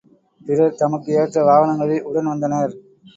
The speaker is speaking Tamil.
பிறர் தமக்கு ஏற்ற வாகனங்களில் உடன் வந்தனர்.